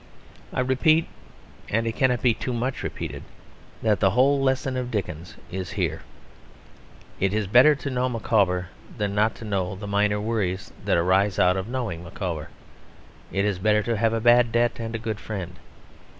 I repeat, and it cannot be too much repeated that the whole lesson of Dickens is here. It is better to know Micawber than not to know the minor worries that arise out of knowing Micawber. It is better to have a bad debt and a good friend.